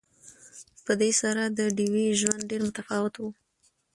په دې سره د ډیوې ژوند ډېر متفاوت وو